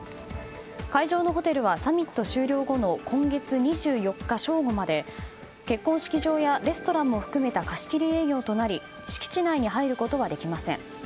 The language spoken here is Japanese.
会場のホテルはサミット終了後の今月２４日正午まで結婚式場やレストランも含めた貸し切り営業となり敷地内に入ることはできません。